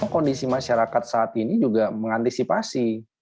kondisi masyarakat saat ini juga mengantisipasi